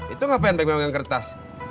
itu ngapain baik baikin kertas